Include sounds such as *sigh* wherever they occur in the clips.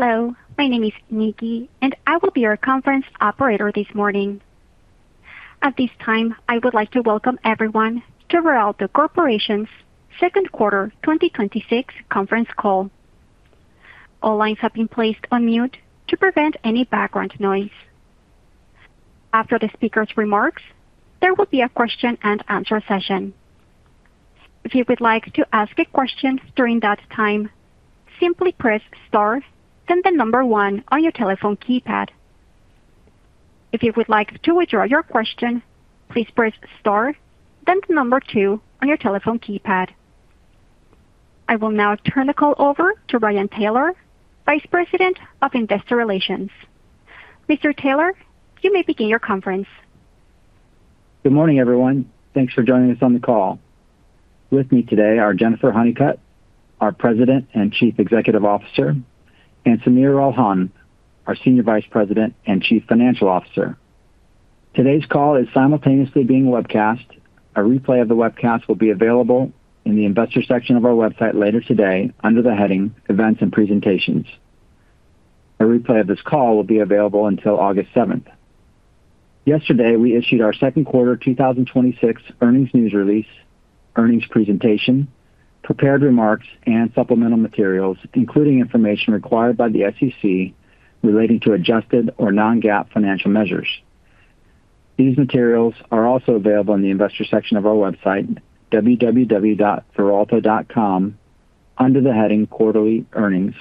Hello, my name is Nikki, and I will be your conference operator this morning. At this time, I would like to welcome everyone to Veralto Corporation's second quarter 2026 conference call. All lines have been placed on mute to prevent any background noise. After the speaker's remarks, there will be a question-and-answer session. If you would like to ask a question during that time, simply press star, then the number one on your telephone keypad. If you would like to withdraw your question, please press star, then the number two on your telephone keypad. I will now turn the call over to Ryan Taylor, Vice President of Investor Relations. Mr. Taylor, you may begin your conference. Good morning, everyone. Thanks for joining us on the call. With me today are Jennifer Honeycutt, our President and Chief Executive Officer, and Sameer Ralhan, our Senior Vice President and Chief Financial Officer. Today's call is simultaneously being webcast. A replay of the webcast will be available in the Investor Section of our website later today under the heading Events and Presentations. A replay of this call will be available until August 7th. Yesterday, we issued our second quarter 2026 earnings news release, earnings presentation, prepared remarks and supplemental materials, including information required by the SEC relating to adjusted or non-GAAP financial measures. These materials are also available on the investor section of our website, www.veralto.com, under the heading Quarterly Earnings.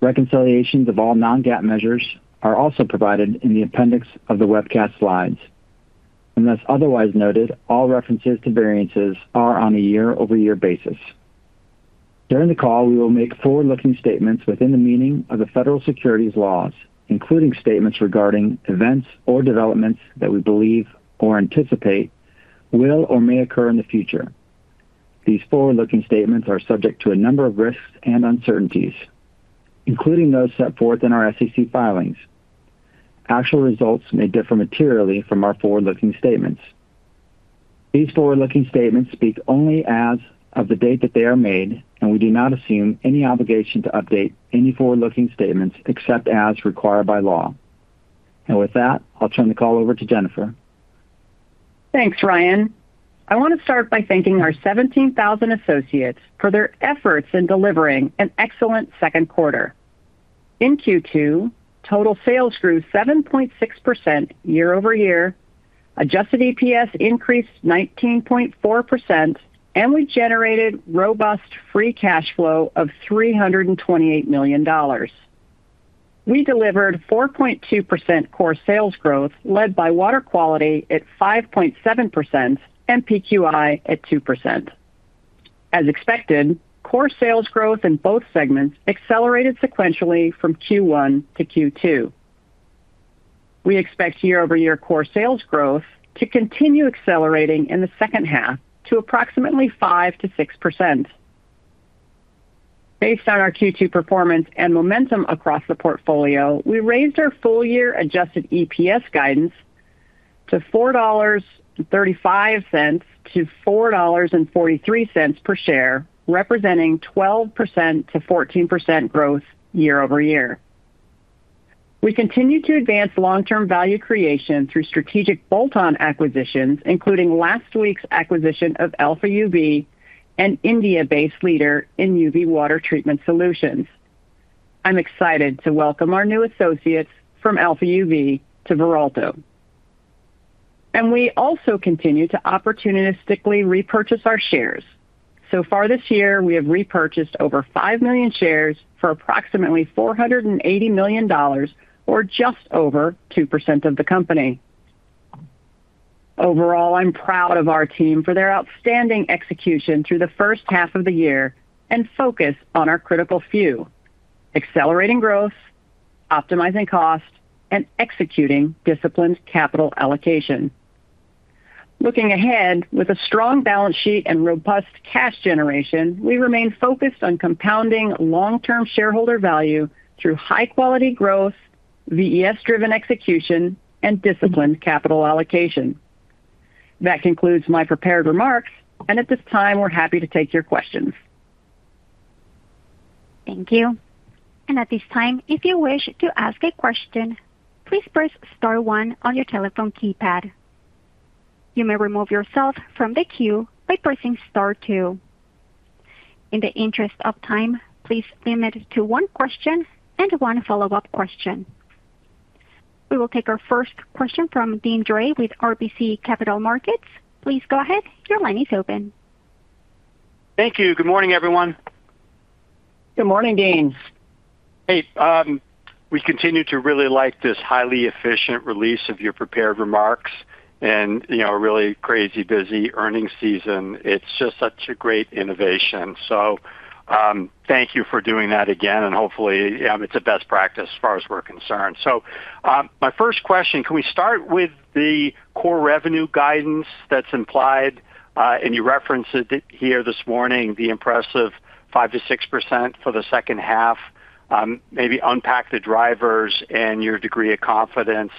Reconciliations of all non-GAAP measures are also provided in the appendix of the webcast slides. Unless otherwise noted, all references to variances are on a year-over-year basis. During the call, we will make forward-looking statements within the meaning of the federal securities laws, including statements regarding events or developments that we believe or anticipate will or may occur in the future. These forward-looking statements are subject to a number of risks and uncertainties, including those set forth in our SEC filings. Actual results may differ materially from our forward-looking statements. These forward-looking statements speak only as of the date that they are made. With that, I'll turn the call over to Jennifer. Thanks, Ryan. I want to start by thanking our 17,000 associates for their efforts in delivering an excellent second quarter. In Q2, total sales grew 7.6% year-over-year. Adjusted EPS increased 19.4%, and we generated robust free cash flow of $328 million. We delivered 4.2% core sales growth, led by Water Quality at 5.7% and PQI at 2%. As expected, core sales growth in both segments accelerated sequentially from Q1 to Q2. We expect year-over-year core sales growth to continue accelerating in the second half to approximately 5%-6%. Based on our Q2 performance and momentum across the portfolio, we raised our full-year adjusted EPS guidance to $4.35 to $4.43 per share, representing 12%-14% growth year-over-year. We continue to advance long-term value creation through strategic bolt-on acquisitions, including last week's acquisition of Alfaa UV, an India-based leader in UV water treatment solutions. I'm excited to welcome our new associates from Alfaa UV to Veralto. We also continue to opportunistically repurchase our shares. So far this year, we have repurchased over 5 million shares for approximately $480 million, or just over 2% of the company. Overall, I'm proud of our team for their outstanding execution through the first half of the year and focus on our critical few: accelerating growth, optimizing cost, and executing disciplined capital allocation. Looking ahead, with a strong balance sheet and robust cash generation, we remain focused on compounding long-term shareholder value through high quality growth, VES-driven execution, and disciplined capital allocation. That concludes my prepared remarks, and at this time, we're happy to take your questions. Thank you. At this time, if you wish to ask a question, please press star one on your telephone keypad. You may remove yourself from the queue by pressing star two. In the interest of time, please limit it to one question and one follow-up question. We will take our first question from Deane Dray with RBC Capital Markets. Please go ahead. Your line is open. Thank you. Good morning, everyone. Good morning, Deane. Hey. We continue to really like this highly efficient release of your prepared remarks in a really crazy busy earning season. It's just such a great innovation. Thank you for doing that again. It's a best practice as far as we're concerned. My first question, can we start with the core revenue guidance that's implied, and you referenced it here this morning, the impressive 5%-6% for the second half. Maybe unpack the drivers and your degree of confidence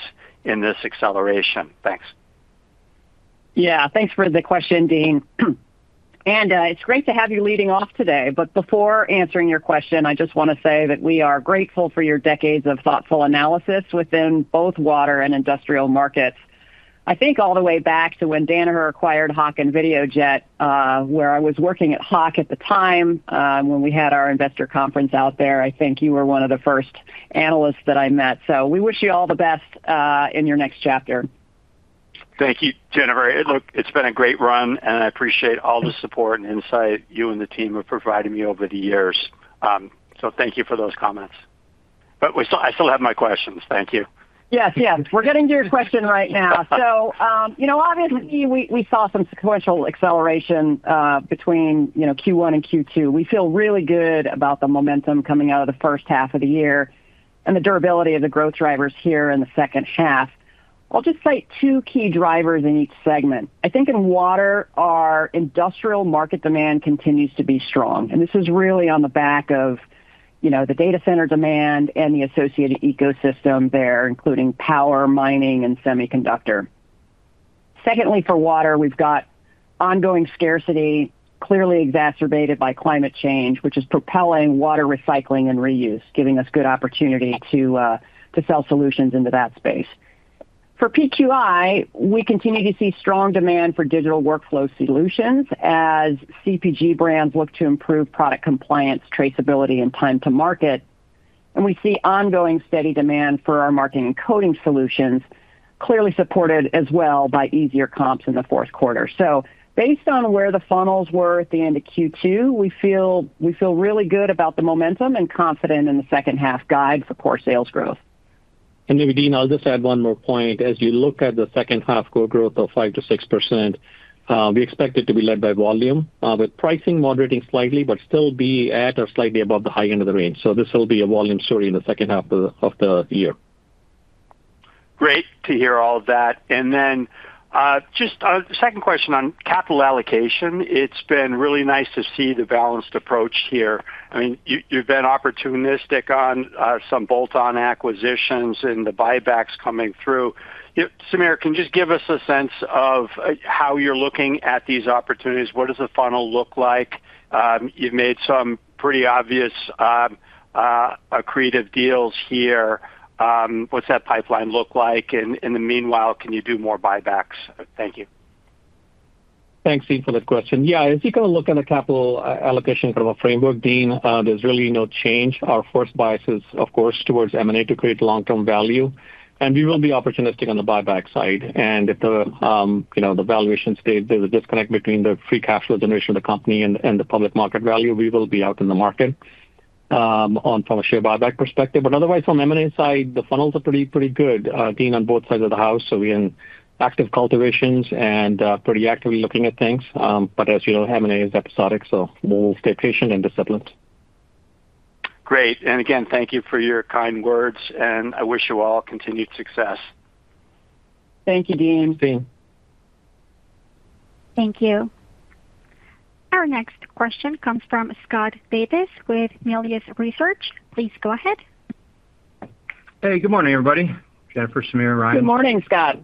in this acceleration. Thanks. Yeah. Thanks for the question, Deane. It's great to have you leading off today. Before answering your question, I just want to say that we are grateful for your decades of thoughtful analysis within both water and industrial markets. I think all the way back to when Danaher acquired Hach and Videojet, where I was working at Hach at the time, when we had our investor conference out there, I think you were one of the first analysts that I met. We wish you all the best in your next chapter. Thank you, Jennifer. Look, it's been a great run, I appreciate all the support and insight you and the team have provided me over the years. Thank you for those comments. I still have my questions. Thank you. Yes. We're getting to your question right now. Obviously, we saw some sequential acceleration, between Q1 and Q2. We feel really good about the momentum coming out of the first half of the year and the durability of the growth drivers here in the second half. I'll just cite two key drivers in each segment. I think in water, our industrial market demand continues to be strong, and this is really on the back of the data center demand and the associated ecosystem there, including power, mining, and semiconductor. For water, we've got ongoing scarcity, clearly exacerbated by climate change, which is propelling water recycling and reuse, giving us good opportunity to sell solutions into that space. For PQI, we continue to see strong demand for digital workflow solutions as CPG brands look to improve product compliance, traceability, and time to market. We see ongoing steady demand for our marking and coding solutions, clearly supported as well by easier comps in the fourth quarter. Based on where the funnels were at the end of Q2, we feel really good about the momentum and confident in the second half guide for core sales growth. Maybe, Deane, I'll just add one more point. As you look at the second half core growth of 5%-6%, we expect it to be led by volume, with pricing moderating slightly but still be at or slightly above the high-end of the range. This will be a volume story in the second half of the year. Great to hear all of that. Just a second question on capital allocation. It's been really nice to see the balanced approach here. You've been opportunistic on some bolt-on acquisitions and the buybacks coming through. Sameer, can you just give us a sense of how you're looking at these opportunities? What does the funnel look like? You've made some pretty obvious accretive deals here. What's that pipeline look like? In the meanwhile, can you do more buybacks? Thank you. Thanks, Deane, for that question. Yeah. As you look at the capital allocation from a framework, Deane, there's really no change. Our first bias is, of course, towards M&A to create long-term value, we will be opportunistic on the buyback side. If the valuation stays, there's a disconnect between the free cash flow generation of the company and the public market value. We will be out in the market from a share buyback perspective, otherwise, from M&A side, the funnels are pretty good, being on both sides of the house, we in active cultivations and pretty actively looking at things. As you know, M&A is episodic, we'll stay patient and disciplined. Great. Again, thank you for your kind words, and I wish you all continued success. Thank you, Deane. Thanks, Deane. Thank you. Our next question comes from Scott Davis with Melius Research. Please go ahead. Good morning, everybody. Jennifer, Sameer, Ryan. Good morning, Scott.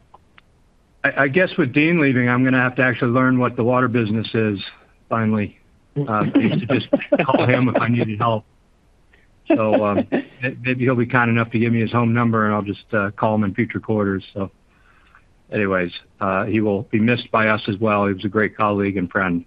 I guess with Deane leaving, I'm going to have to actually learn what the water business is finally. I used to just call him if I needed help. Maybe he'll be kind enough to give me his home number, and I'll just call him in future quarters. Anyways, he will be missed by us as well. He was a great colleague and friend.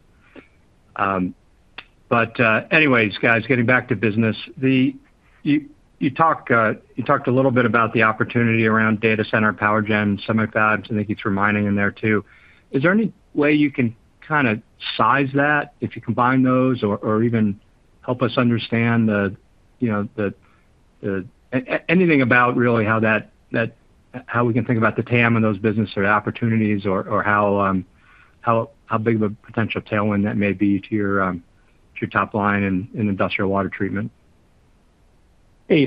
Anyways, guys, getting back to business. You talked a little bit about the opportunity around data center, power gen, semi-fab, I think you threw mining in there, too. Is there any way you can kind of size that if you combine those or even help us understand anything about really how we can think about the TAM in those business or the opportunities, or how big of a potential tailwind that may be to your top line in industrial water treatment?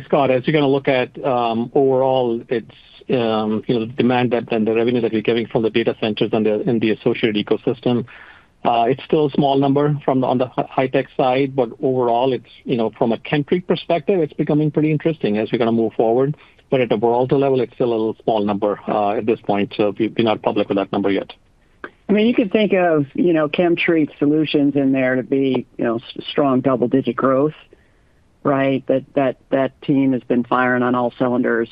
Scott. As you look at overall demand and the revenues that we're getting from the data centers and the associated ecosystem, it's still a small number on the high-tech side, but overall, from a ChemTreat perspective, it's becoming pretty interesting as we move forward. At a Veralto level, it's still a little small number at this point. We've been not public with that number yet. You could think of ChemTreat solutions in there to be strong double-digit growth, right? That team has been firing on all cylinders.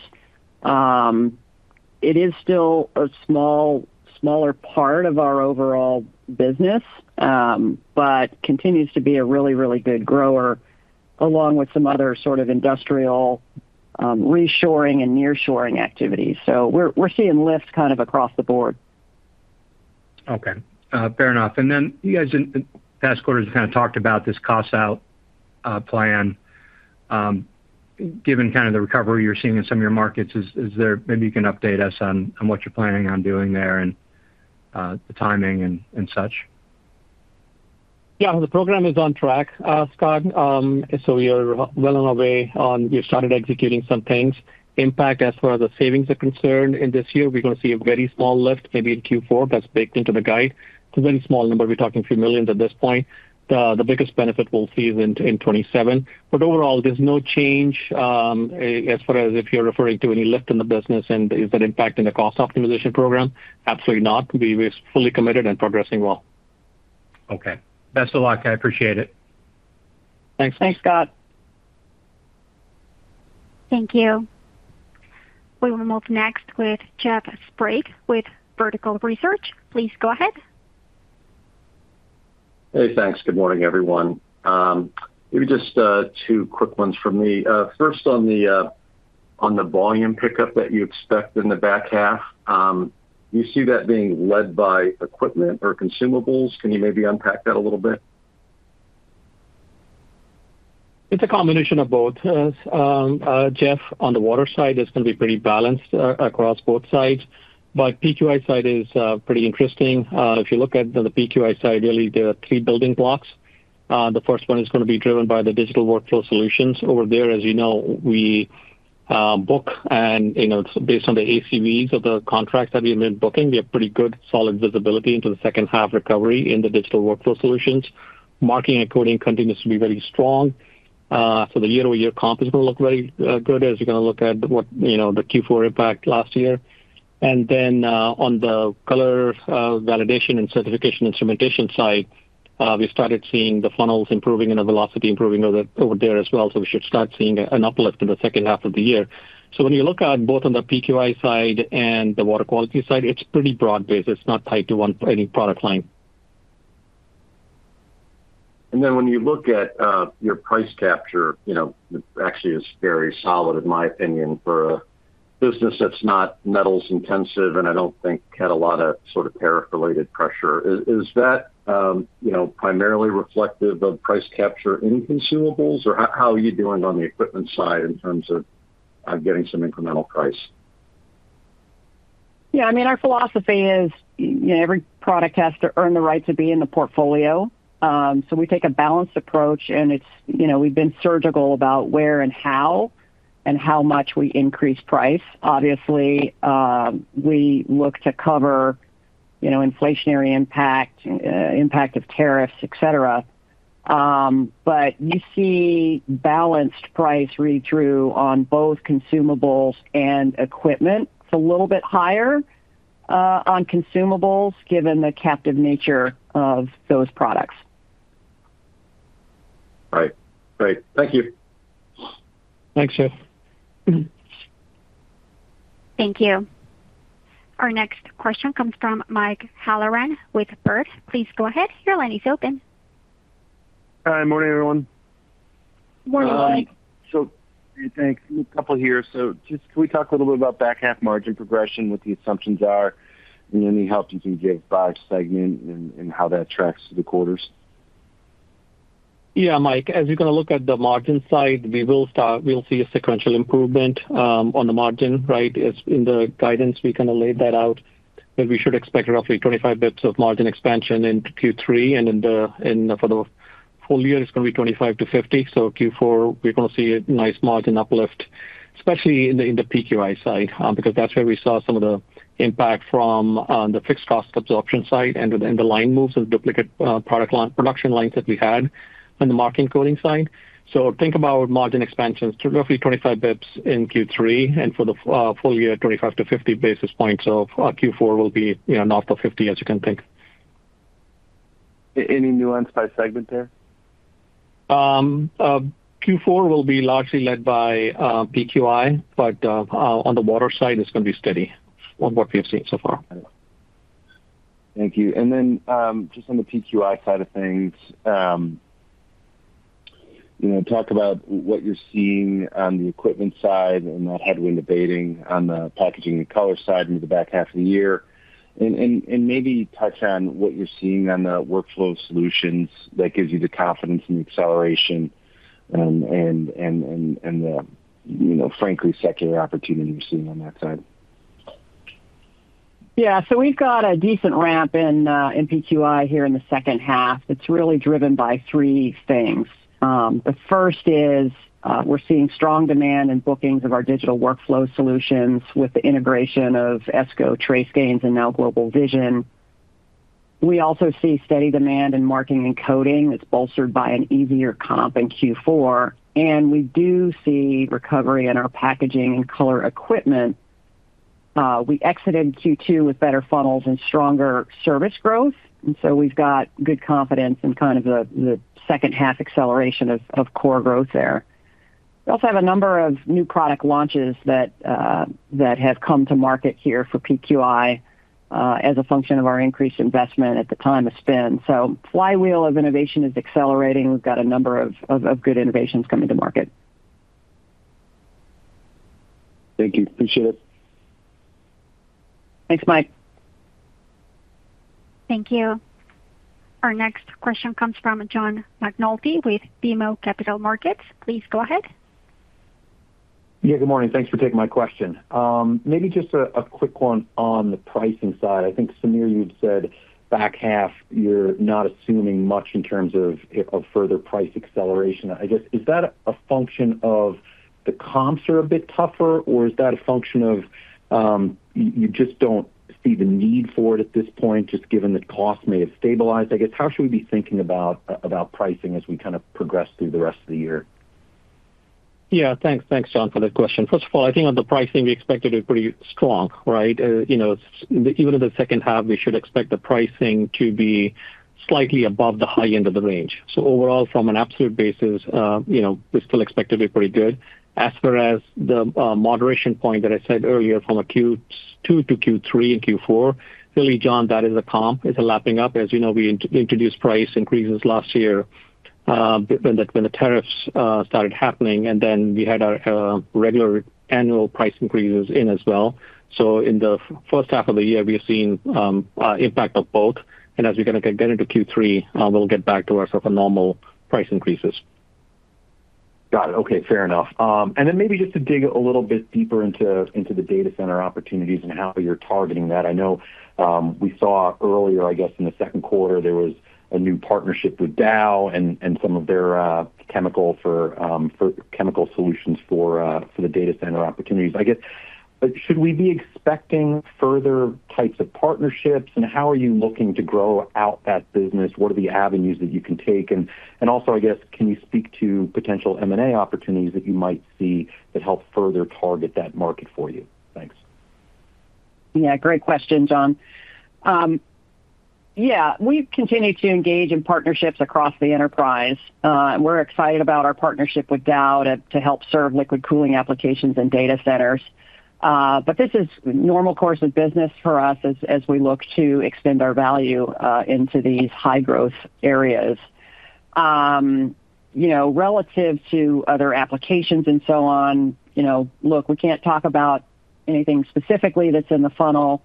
It is still a smaller part of our overall business, but continues to be a really good grower, along with some other sort of industrial reshoring and nearshoring activities. We're seeing lift kind of across the board. Okay. Fair enough. You guys in past quarters kind of talked about this cost-out plan. Given the recovery you're seeing in some of your markets, maybe you can update us on what you're planning on doing there and the timing and such. Yeah. The program is on track, Scott. We are well on our way. We've started executing some things. Impact, as far as the savings are concerned in this year, we're going to see a very small lift maybe in Q4 that's baked into the guide. It's a very small number. We're talking a few millions at this point. The biggest benefit we'll see is in 2027. Overall, there's no change as far as if you're referring to any lift in the business and is that impacting the cost optimization program. Absolutely not. We're fully committed and progressing well. Okay. Best of luck. I appreciate it. Thanks. Thanks, Scott. Thank you. We will move next with Jeff Sprague with Vertical Research. Please go ahead. Hey, thanks. Good morning, everyone. Maybe just two quick ones from me. First, on the volume pickup that you expect in the back half, do you see that being led by equipment or consumables? Can you maybe unpack that a little bit? It's a combination of both, Jeff. On the Water side, it's going to be pretty balanced across both sides. PQI side is pretty interesting. If you look at the PQI side, really there are three building blocks. The first one is going to be driven by the digital workflow solutions. Over there, as you know, we book, and it's based on the ACVs of the contracts that we have been booking. We have pretty good solid visibility into the second half recovery in the digital workflow solutions. Marking and coding continues to be very strong. The year-over-year comp is going to look very good as you're going to look at the Q4 impact last year. Then on the color validation and certification instrumentation side, we started seeing the funnels improving and the velocity improving over there as well. We should start seeing an uplift in the second half of the year. When you look at both on the PQI side and the Water Quality side, it's pretty broad-based. It's not tied to any product line. When you look at your price capture, it actually is very solid, in my opinion, for a business that's not metals intensive and I don't think had a lot of tariff-related pressure. Is that primarily reflective of price capture in consumables, or how are you doing on the equipment side in terms of getting some incremental price? Yeah. Our philosophy is every product has to earn the right to be in the portfolio. We take a balanced approach, and we've been surgical about where and how, and how much we increase price. Obviously, we look to cover inflationary impact of tariffs, et cetera. You see balanced price read through on both consumables and equipment. It's a little bit higher on consumables given the captive nature of those products. Right. Great. Thank you. Thanks, Jeff. Thank you. Our next question comes from Mike Halloran with Baird. Please go ahead. Your line is open. Hi. Morning, everyone. Morning, Mike. *crosstalk* Great, thanks. Just can we talk a little bit about back half margin progression, what the assumptions are, and any help you can give by segment and how that tracks through the quarters? Yeah, Mike. You're going to look at the margin side, we'll see a sequential improvement on the margin, right? In the guidance, we kind of laid that out, that we should expect roughly 25 basis points of margin expansion into Q3, and for the full-year, it's going to be 25 basis points-50 basis points. Q4, we're going to see a nice margin uplift, especially in the PQI side because that's where we saw some of the impact from on the fixed cost absorption side and the line moves of duplicate production lines that we had on the marking and coding side. Think about margin expansions to roughly 25 basis points in Q3, and for the full-year, 25 basis points-50 basis points. Q4 will be north of 50 basis points, as you can think. Any nuance by segment there? Q4 will be largely led by PQI, on the Water side, it's going to be steady from what we have seen so far. Thank you. Just on the PQI side of things, talk about what you're seeing on the equipment side and that headwind abating on the packaging and color side into the back half of the year, maybe touch on what you're seeing on the workflow solutions that gives you the confidence in the acceleration and the frankly secular opportunity you're seeing on that side. We've got a decent ramp in PQI here in the second half. It's really driven by three things. The first is we're seeing strong demand in bookings of our digital workflow solutions with the integration of Esko, TraceGains, and now GlobalVision. We also see steady demand in marking and coding that's bolstered by an easier comp in Q4. We do see recovery in our packaging and color equipment. We exited Q2 with better funnels and stronger service growth, we've got good confidence in kind of the second half acceleration of core growth there. We also have a number of new product launches that have come to market here for PQI as a function of our increased investment at the time of spend. Flywheel of innovation is accelerating. We've got a number of good innovations coming to market. Thank you. Appreciate it. Thanks, Mike. Thank you. Our next question comes from John McNulty with BMO Capital Markets. Please go ahead. Yeah, good morning. Thanks for taking my question. Maybe just a quick one on the pricing side. I think, Sameer, you'd said back half you're not assuming much in terms of further price acceleration. I guess, is that a function of the comps are a bit tougher, or is that a function of you just don't see the need for it at this point, just given that costs may have stabilized? I guess, how should we be thinking about pricing as we kind of progress through the rest of the year? Yeah. Thanks, John, for that question. First of all, I think on the pricing, we expect it to be pretty strong, right? Even in the second half, we should expect the pricing to be slightly above the high end of the range. Overall, from an absolute basis, we still expect it to be pretty good. As far as the moderation point that I said earlier from Q2 to Q3 and Q4, really, John, that is a comp. It's a lapping up. As you know, we introduced price increases last year when the tariffs started happening, then we had our regular annual price increases in as well. In the first half of the year, we have seen impact of both. As we get into Q3, we'll get back to our sort of normal price increases. Got it. Okay. Fair enough. Then maybe just to dig a little bit deeper into the data center opportunities and how you're targeting that. I know we saw earlier, I guess, in the second quarter, there was a new partnership with Dow and some of their chemical solutions for the data center opportunities. Should we be expecting further types of partnerships, and how are you looking to grow out that business? What are the avenues that you can take? Also, I guess, can you speak to potential M&A opportunities that you might see that help further target that market for you? Thanks. Great question, John. We've continued to engage in partnerships across the enterprise. We're excited about our partnership with Dow to help serve liquid cooling applications and data centers. This is normal course of business for us as we look to extend our value into these high-growth areas. Relative to other applications and so on, look, we can't talk about anything specifically that's in the funnel.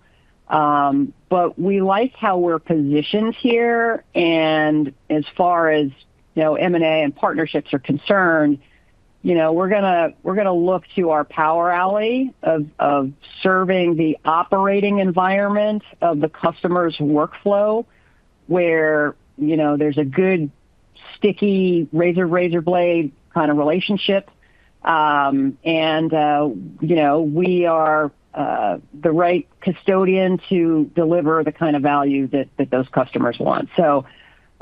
We like how we're positioned here, and as far as M&A and partnerships are concerned, we're going to look to our power alley of serving the operating environment of the customer's workflow, where there's a good sticky razor blade kind of relationship. We are the right custodian to deliver the kind of value that those customers want.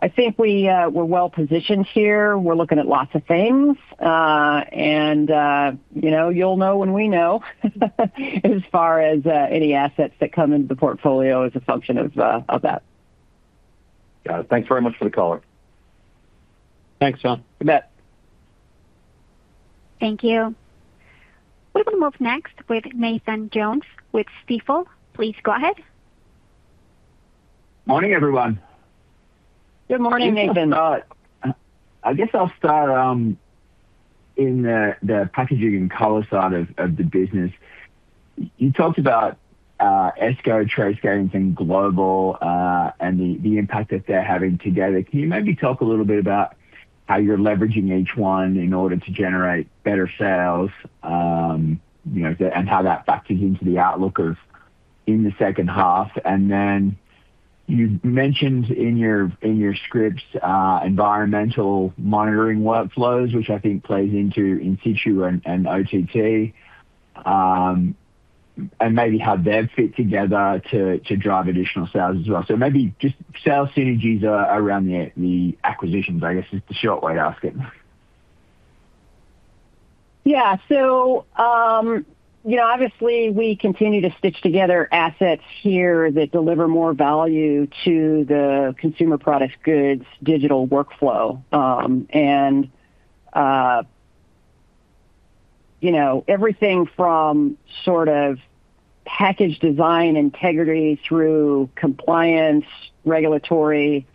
I think we're well-positioned here. We're looking at lots of things. You'll know when we know as far as any assets that come into the portfolio as a function of that. Got it. Thanks very much for the color. Thanks, John. You bet. Thank you. We will move next with Nathan Jones with Stifel. Please go ahead. Morning, everyone. Good morning, Nathan. I guess I'll start in the packaging color side of the business. You talked about Esko, TraceGains, and Global and the impact that they're having together. Can you maybe talk a little bit about how you're leveraging each one in order to generate better sales, and how that factors into the outlook in the second half? You mentioned in your scripts environmental monitoring workflows, which I think plays into In-Situ and OTT, and maybe how they'd fit together to drive additional sales as well. Maybe just sales synergies around the acquisitions, I guess, is the short way to ask it. We continue to stitch together assets here that deliver more value to the consumer product goods digital workflow. Everything from sort of package design integrity through compliance, regulatory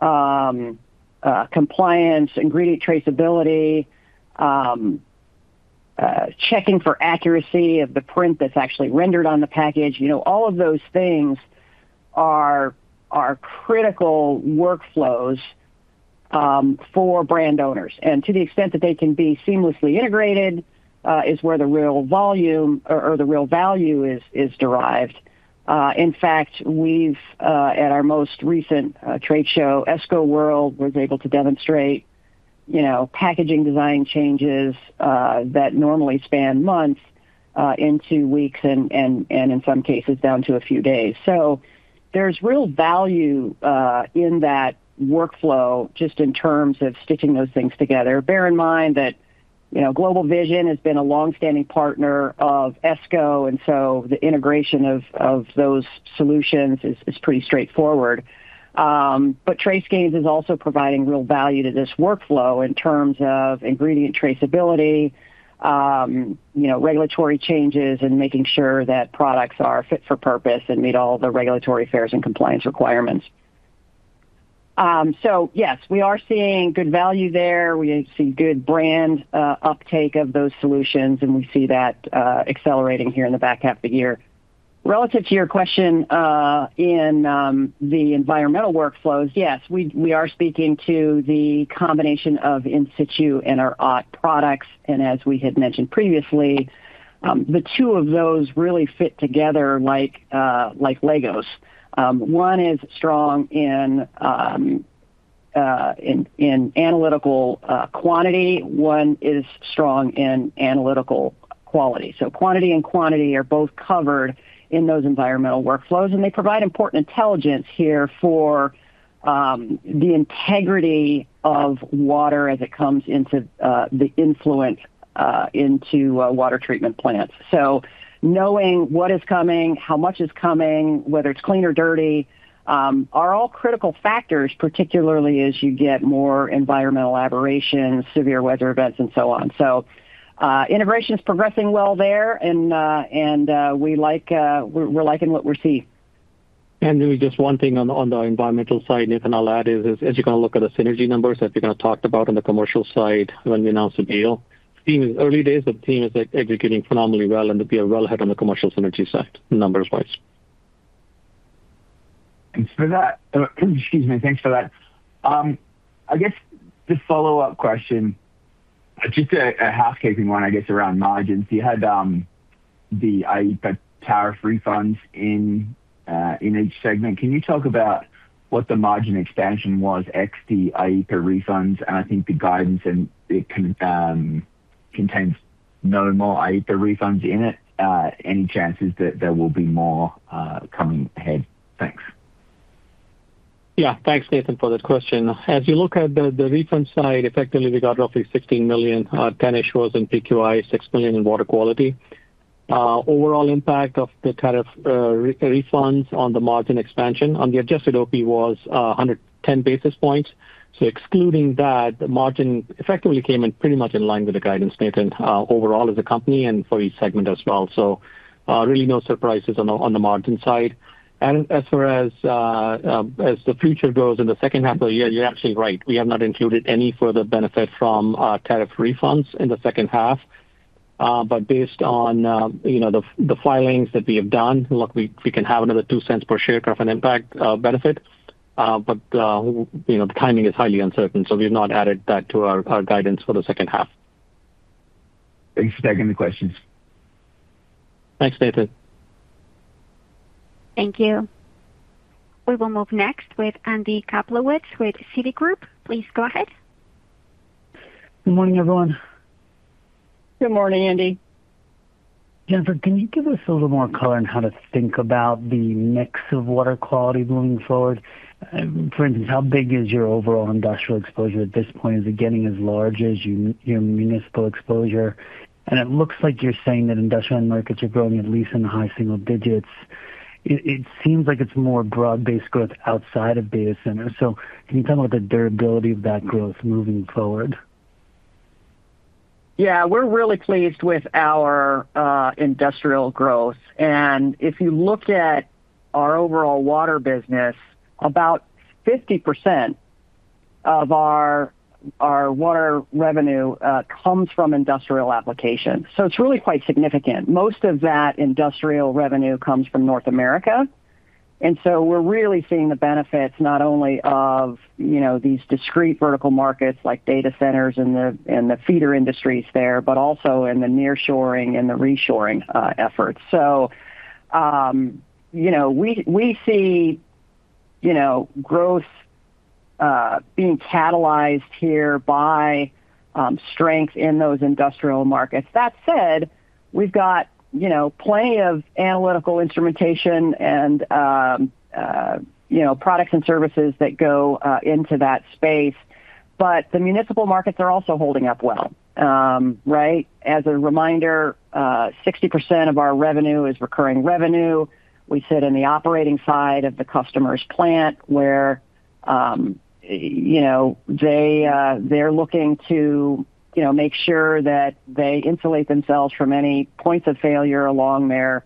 compliance, ingredient traceability, checking for accuracy of the print that's actually rendered on the package. All of those things are critical workflows for brand owners. To the extent that they can be seamlessly integrated is where the real value is derived. In fact, at our most recent trade show, Esko World, was able to demonstrate packaging design changes that normally span months into weeks and in some cases, down to a few days. There's real value in that workflow just in terms of stitching those things together. Bear in mind that GlobalVision has been a longstanding partner of Esko, and so the integration of those solutions is pretty straightforward. TraceGains is also providing real value to this workflow in terms of ingredient traceability, regulatory changes, and making sure that products are fit for purpose and meet all the regulatory affairs and compliance requirements. Yes, we are seeing good value there. We see good brand uptake of those solutions, and we see that accelerating here in the back half of the year. Relative to your question in the environmental workflows, yes, we are speaking to the combination of In-Situ and our OTT products. As we had mentioned previously, the two of those really fit together like LEGO. One is strong in analytical quantity, one is strong in analytical quality. Quantity and quantity are both covered in those environmental workflows, and they provide important intelligence here for the integrity of water as it comes into the influent into water treatment plants. Knowing what is coming, how much is coming, whether it's clean or dirty, are all critical factors, particularly as you get more environmental aberrations, severe weather events and so on. Integration is progressing well there and we're liking what we're seeing. Maybe just one thing on the environmental side, Nathan, I'll add is, as you kind of look at the synergy numbers that we kind of talked about on the commercial side when we announced the deal. Team is early days, but the team is executing phenomenally well, and we are well ahead on the commercial synergy side numbers wise. Thanks for that. Excuse me. Thanks for that. I guess the follow-up question, just a housekeeping one, I guess, around margins. You had the IEEPA tariff refunds in each segment. Can you talk about what the margin expansion was ex the IEEPA refunds? I think the guidance contains no more IEEPA refunds in it. Any chances that there will be more coming ahead? Thanks. Thanks, Nathan, for the question. As you look at the refund side, effectively, we got roughly $16 million, $10-ish million was in PQI, $6 million in Water Quality. Overall impact of the tariff refunds on the margin expansion on the adjusted OP was 110 basis points. Excluding that, the margin effectively came in pretty much in line with the guidance, Nathan, overall as a company and for each segment as well. Really no surprises on the margin side. As far as the future goes in the second half of the year, you're absolutely right. We have not included any further benefit from tariff refunds in the second half. Based on the filings that we have done, look, we can have another $0.02 per share kind of an impact benefit. The timing is highly uncertain, so we've not added that to our guidance for the second half. Thanks for taking the questions. Thanks, Nathan. Thank you. We will move next with Andy Kaplowitz with Citigroup. Please go ahead. Good morning, everyone. Good morning, Andy. Jennifer, can you give us a little more color on how to think about the mix of Water Quality moving forward? For instance, how big is your overall industrial exposure at this point? Is it getting as large as your municipal exposure? It looks like you're saying that industrial end markets are growing at least in the high-single-digits. It seems like it's more broad-based growth outside of data centers. Can you talk about the durability of that growth moving forward? Yeah. We're really pleased with our industrial growth. If you look at our overall water business, about 50% of our water revenue comes from industrial applications. It's really quite significant. Most of that industrial revenue comes from North America, we're really seeing the benefits not only of these discrete vertical markets like data centers and the feeder industries there, but also in the nearshoring and the reshoring efforts. We see growth being catalyzed here by strength in those industrial markets. That said, we've got plenty of analytical instrumentation and products and services that go into that space. The municipal markets are also holding up well. Right? As a reminder, 60% of our revenue is recurring revenue. We sit in the operating side of the customer's plant where they're looking to make sure that they insulate themselves from any points of failure along their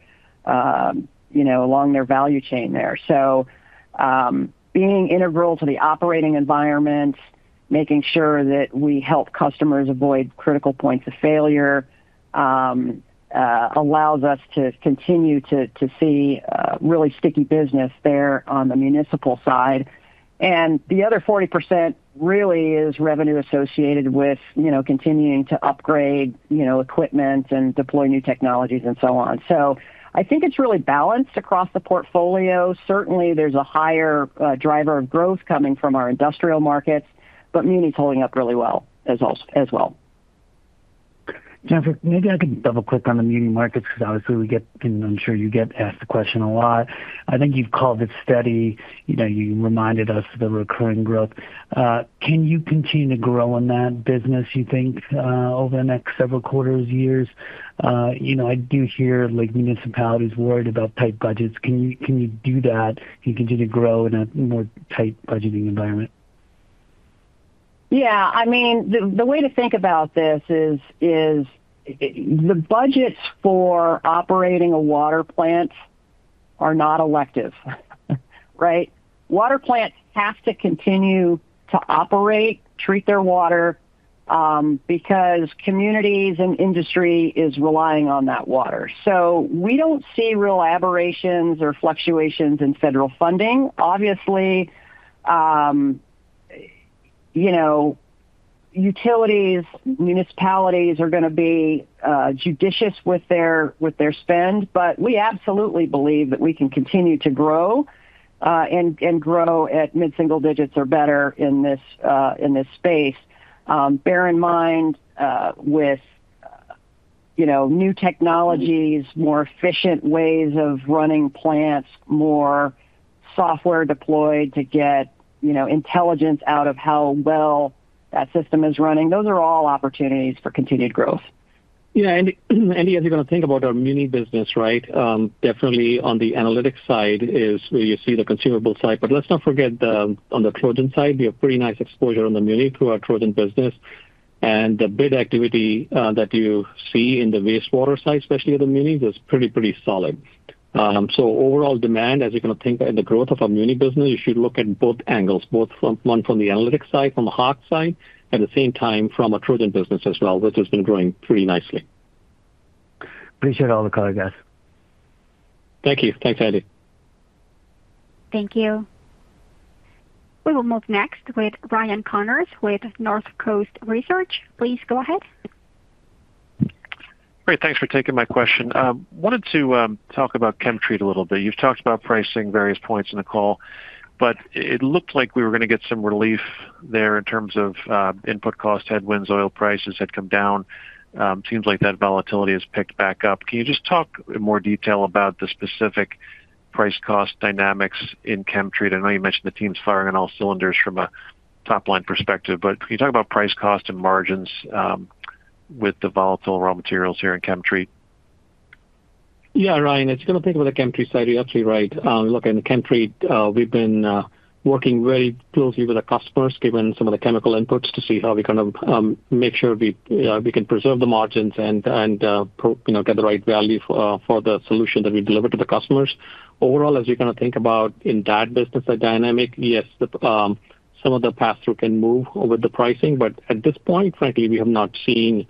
value chain there. Being integral to the operating environment, making sure that we help customers avoid critical points of failure allows us to continue to see really sticky business there on the municipal side. The other 40% really is revenue associated with continuing to upgrade equipment and deploy new technologies and so on. I think it's really balanced across the portfolio. Certainly, there's a higher driver of growth coming from our industrial markets, but muni's holding up really well as well. Jennifer, maybe I could double click on the muni markets because obviously I'm sure you get asked the question a lot. I think you've called it steady. You reminded us of the recurring growth. Can you continue to grow in that business, you think over the next several quarters, years? I do hear municipalities worried about tight budgets. Can you do that? Can you continue to grow in a more tight budgeting environment? Yeah. The way to think about this is the budgets for operating a water plant are not elective. Right? Water plants have to continue to operate, treat their water because communities and industry is relying on that water. We don't see real aberrations or fluctuations in federal funding. Obviously, utilities, municipalities are going to be judicious with their spend, but we absolutely believe that we can continue to grow, and grow at mid-single-digits or better in this space. Bear in mind with new technologies, more efficient ways of running plants, more software deployed to get intelligence out of how well that system is running. Those are all opportunities for continued growth. Yeah. As you're going to think about our muni business, definitely on the analytics side is where you see the consumable side. Let's not forget, on the Trojan side, we have pretty nice exposure on the muni through our Trojan business. The bid activity that you see in the wastewater side, especially at the munis, is pretty solid. Overall demand, as you're going to think in the growth of our muni business, you should look at both angles, both one from the analytics side, from the Hach side, at the same time from a Trojan business as well, which has been growing pretty nicely. Appreciate all the color, guys. Thank you. Thanks, Andy. Thank you. We will move next with Ryan Connors with Northcoast Research. Please go ahead. Great. Thanks for taking my question. Wanted to talk about ChemTreat a little bit. You've talked about pricing various points in the call, but it looked like we were going to get some relief there in terms of input cost headwinds. Oil prices had come down. Seems like that volatility has picked back up. Can you just talk in more detail about the specific price cost dynamics in ChemTreat? I know you mentioned the team's firing on all cylinders from a top-line perspective, but can you talk about price cost and margins with the volatile raw materials here in ChemTreat? Yeah, Ryan. If you're going to think about the ChemTreat side, you're absolutely right. Look, in ChemTreat, we've been working very closely with our customers, given some of the chemical inputs, to see how we can make sure we can preserve the margins and get the right value for the solution that we deliver to the customers. Overall, as you're going to think about in that business, the dynamic, yes, some of the pass-through can move with the pricing. At this point, frankly, we have not seen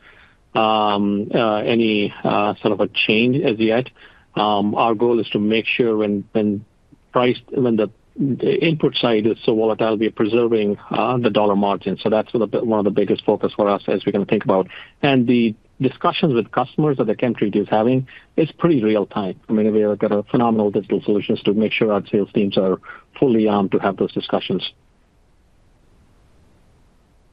any sort of a change as yet. Our goal is to make sure when the input side is so volatile, we are preserving the dollar margin. That's one of the biggest focus for us as we're going to think about. The discussions with customers that the ChemTreat is having is pretty real time. We've got phenomenal digital solutions to make sure our sales teams are fully armed to have those discussions.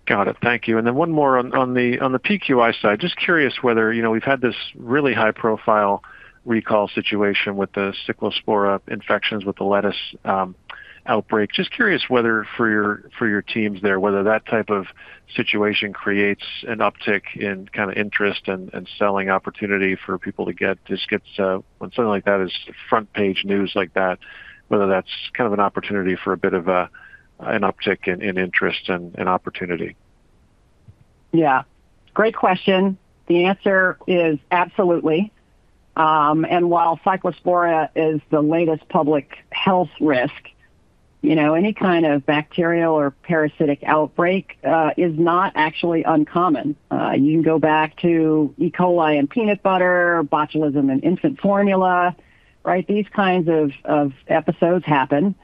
Got it. Thank you. Then one more on the PQI side, just curious whether, you know, we've had this really high-profile recall situation with the Cyclospora infections with the lettuce outbreak. Just curious whether for your teams there, whether that type of situation creates an uptick in interest and selling opportunity for people to get this when something like that is front page news like that, whether that's kind of an opportunity for a bit of an uptick in interest and opportunity. Yeah. Great question. The answer is absolutely. While Cyclospora is the latest public health risk, any kind of bacterial or parasitic outbreak is not actually uncommon. You can go back to E. coli in peanut butter, botulism in infant formula. These kinds of episodes happen.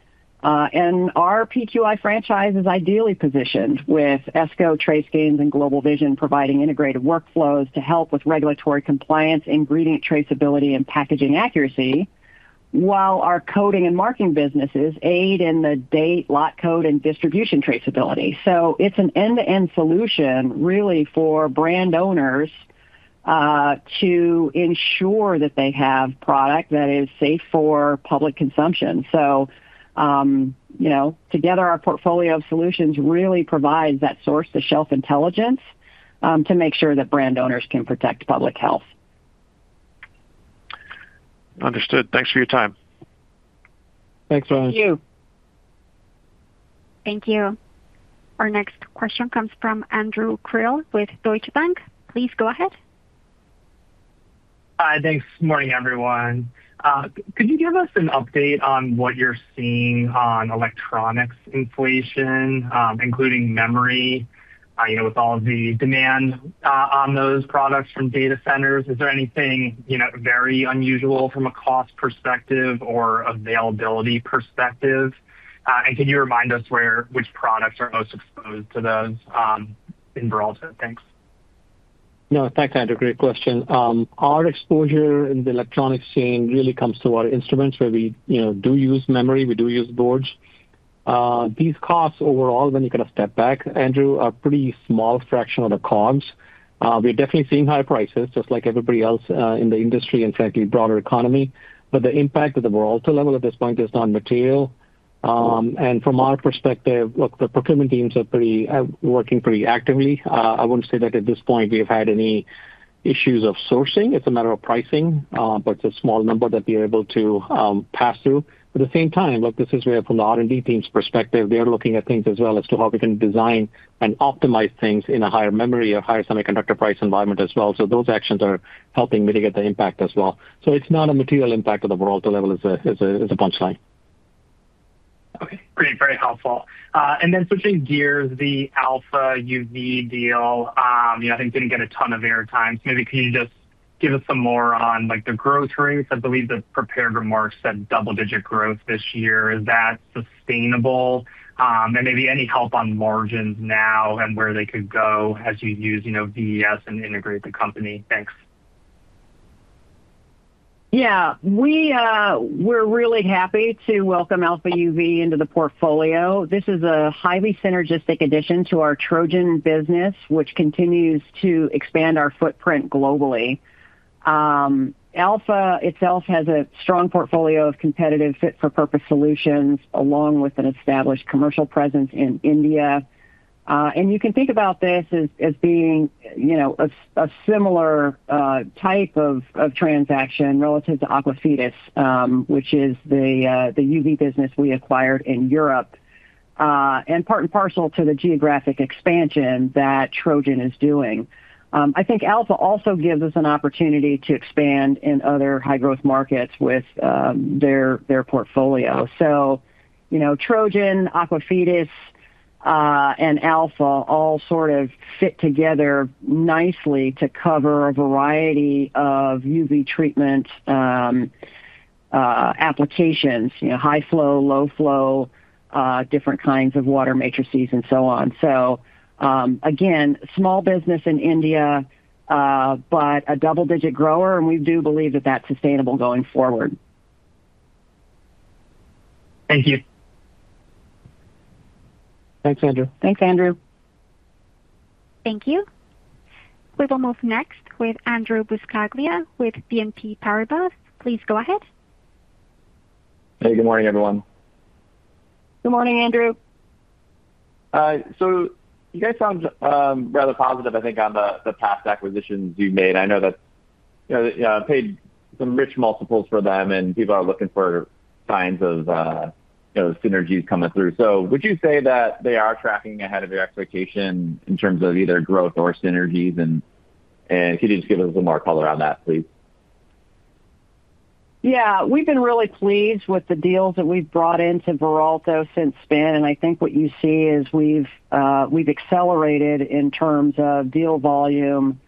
Our PQI franchise is ideally positioned with Esko, TraceGains, and GlobalVision providing integrated workflows to help with regulatory compliance, ingredient traceability, and packaging accuracy, while our coding and marking businesses aid in the date, lot code, and distribution traceability. It's an end-to-end solution, really, for brand owners to ensure that they have product that is safe for public consumption. Together, our portfolio of solutions really provides that source-to-shelf intelligence to make sure that brand owners can protect public health. Understood. Thanks for your time. Thanks, Ryan. Thank you. Thank you. Our next question comes from Andrew Krill with Deutsche Bank. Please go ahead. Hi. Thanks. Morning, everyone. Could you give us an update on what you're seeing on electronics inflation, including memory, with all of the demand on those products from data centers? Is there anything very unusual from a cost perspective or availability perspective? Can you remind us which products are most exposed to those in Veralto? Thanks. No, thanks, Andrew. Great question. Our exposure in the electronics scene really comes through our instruments where we do use memory, we do use boards. These costs overall, when you kind of step back, Andrew, are pretty small fraction of the COGS. We're definitely seeing high prices just like everybody else in the industry and frankly, broader economy. The impact at the Veralto level at this point is non-material. From our perspective, look, the procurement teams are working pretty actively. I wouldn't say that at this point we have had any issues of sourcing. It's a matter of pricing. It's a small number that we're able to pass through. At the same time, look, this is where from the R&D team's perspective, they are looking at things as well as to how we can design and optimize things in a higher memory or higher semiconductor price environment as well. Those actions are helping mitigate the impact as well. It's not a material impact at the Veralto level is the punchline. Okay. Great. Very helpful. Switching gears, the Alfaa UV deal I think didn't get a ton of airtime. Maybe can you just give us some more on the growth rates? I believe the prepared remarks said double-digit growth this year. Is that sustainable? Maybe any help on margins now and where they could go as you use VES and integrate the company? Thanks. Yeah. We're really happy to welcome Alfaa UV into the portfolio. This is a highly synergistic addition to our Trojan business, which continues to expand our footprint globally. Alfaa itself has a strong portfolio of competitive fit-for-purpose solutions, along with an established commercial presence in India. You can think about this as being a similar type of transaction relative to AQUAFIDES, which is the UV business we acquired in Europe, and part and parcel to the geographic expansion that Trojan is doing. I think Alfaa also gives us an opportunity to expand in other high-growth markets with their portfolio. Trojan, AQUAFIDES, and Alfaa all sort of fit together nicely to cover a variety of UV treatment applications, high flow, low flow, different kinds of water matrices and so on. Again, small business in India, but a double-digit grower, we do believe that that's sustainable going forward. Thank you. Thanks, Andrew. Thanks, Andrew. Thank you. We will move next with Andrew Buscaglia with BNP Paribas. Please go ahead. Hey, good morning, everyone. Good morning, Andrew. You guys sound rather positive, I think on the past acquisitions you've made. I know that you paid some rich multiples for them, and people are looking for signs of synergies coming through. Would you say that they are tracking ahead of your expectation in terms of either growth or synergies? Could you just give us a little more color on that, please? Yeah. We've been really pleased with the deals that we've brought into Veralto since spin, and I think what you see is we've accelerated in terms of deal volume,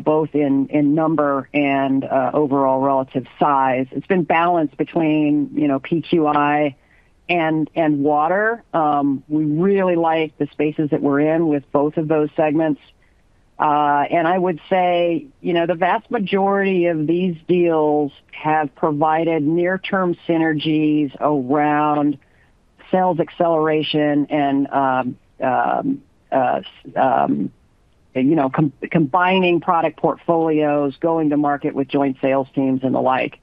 both in number and overall relative size. It's been balanced between PQI and Water. We really like the spaces that we're in with both of those segments. I would say, the vast majority of these deals have provided near-term synergies around sales acceleration and combining product portfolios, going to market with joint sales teams, and the like.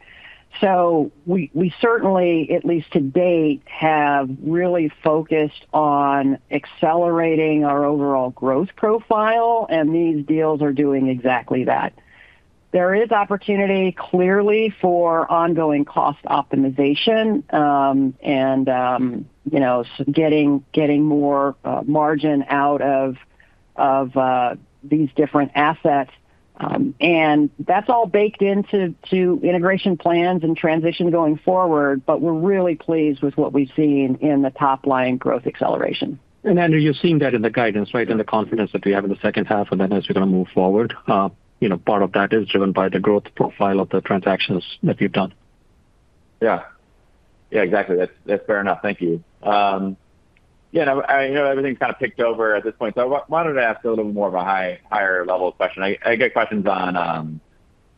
We certainly, at least to date, have really focused on accelerating our overall growth profile, and these deals are doing exactly that. There is opportunity, clearly, for ongoing cost optimization, and getting more margin out of these different assets. That's all baked into integration plans and transition going forward, but we're really pleased with what we've seen in the top-line growth acceleration. Andrew, you're seeing that in the guidance, right? In the confidence that we have in the second half and then as we're going to move forward. Part of that is driven by the growth profile of the transactions that we've done. Yeah. Exactly. That's fair enough. Thank you. I know everything's kind of picked over at this point, so I wanted to ask a little more of a higher-level question. I get questions on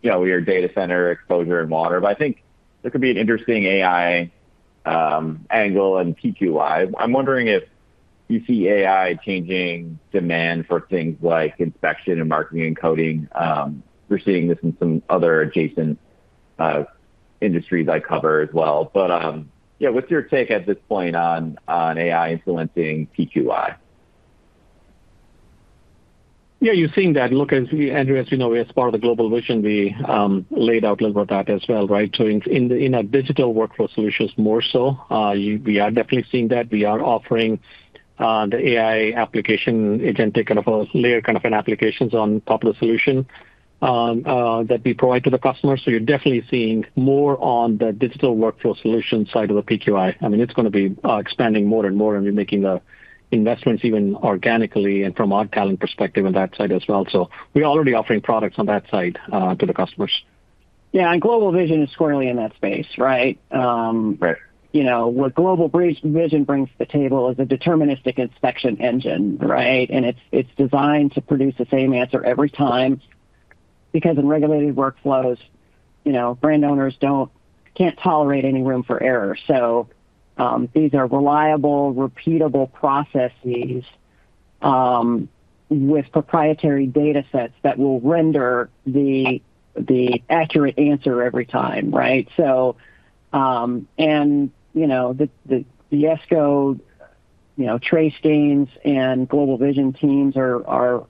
your data center exposure and Water Quality, but I think there could be an interesting AI angle in PQI. I'm wondering if you see AI changing demand for things like inspection and marking and coding. We're seeing this in some other adjacent industries I cover as well. What's your take at this point on AI influencing PQI? Yeah, you're seeing that. Look, Andrew, as you know, as part of the GlobalVision, we laid out a little about that as well, right? In our digital workflow solutions more so, we are definitely seeing that. We are offering the AI application agentic kind of a layer kind of an applications on top of the solution that we provide to the customers. You're definitely seeing more on the digital workflow solutions side of the PQI. It's going to be expanding more and more, and we're making the investments even organically and from our talent perspective on that side as well. We're already offering products on that side to the customers. Yeah, GlobalVision is squarely in that space, right? Right. What GlobalVision brings to the table is a deterministic inspection engine, right? It's designed to produce the same answer every time, because in regulated workflows, brand owners can't tolerate any room for error. These are reliable, repeatable processes with proprietary data sets that will render the accurate answer every time, right? The Esko, TraceGains, and GlobalVision teams are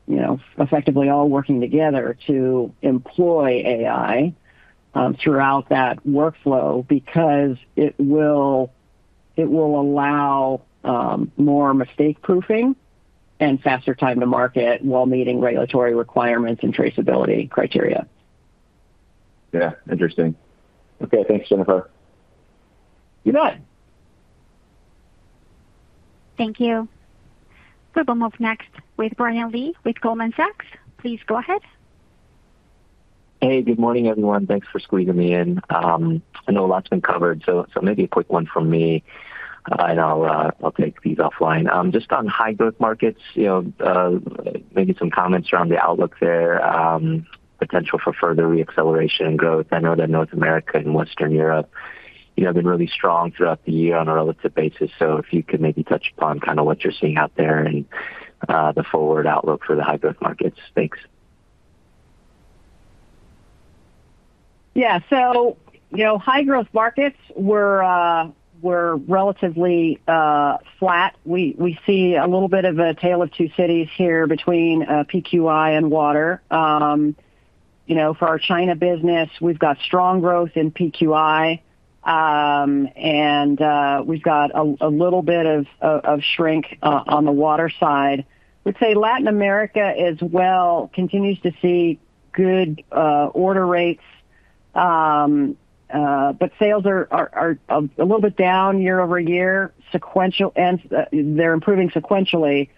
effectively all working together to employ AI throughout that workflow because it will allow more mistake-proofing and faster time to market while meeting regulatory requirements and traceability criteria. Yeah. Interesting. Okay. Thanks, Jennifer. You bet. Thank you. We will move next with Brian Lee with Goldman Sachs. Please go ahead. Hey, good morning, everyone. Thanks for squeezing me in. I know a lot's been covered. Maybe a quick one from me. I'll take these offline. Just on high-growth markets, maybe some comments around the outlook there, potential for further re-acceleration and growth. I know that North America and Western Europe have been really strong throughout the year on a relative basis. If you could maybe touch upon kind of what you're seeing out there and the forward outlook for the high-growth markets. Thanks. Yeah. High-growth markets were relatively flat. We see a little bit of a tale of two cities here between PQI and Water. For our China business, we've got strong growth in PQI, and we've got a little bit of shrink on the Water side. I would say Latin America as well continues to see good order rates, but sales are a little bit down year-over-year, and they're improving sequentially.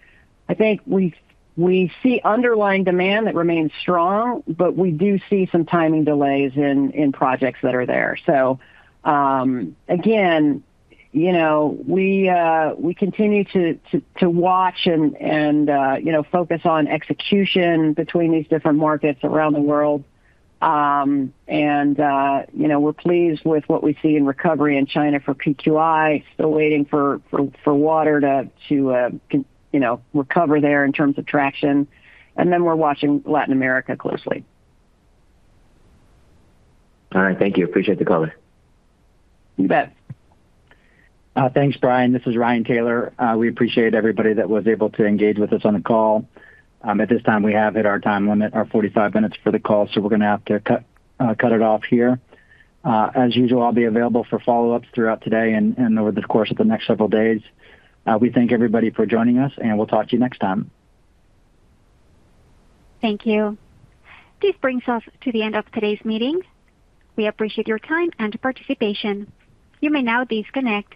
I think we see underlying demand that remains strong, but we do see some timing delays in projects that are there. Again, we continue to watch and focus on execution between these different markets around the world. We're pleased with what we see in recovery in China for PQI, still waiting for water to recover there in terms of traction. We're watching Latin America closely. All right. Thank you. Appreciate the color. You bet. Thanks, Brian. This is Ryan Taylor. We appreciate everybody that was able to engage with us on the call. At this time, we have hit our time limit, our 45 minutes for the call, we're going to have to cut it off here. As usual, I'll be available for follow-ups throughout today and over the course of the next several days. We thank everybody for joining us, and we'll talk to you next time. Thank you. This brings us to the end of today's meeting. We appreciate your time and participation. You may now disconnect.